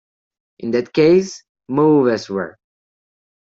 In that case, move elsewhere.